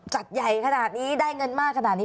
จัดใหญ่ขนาดนี้ได้เงินมากขนาดนี้